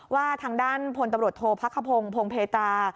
ว่าทางด้านพลตำรวจโทษพักขพงศ์พงเพตรา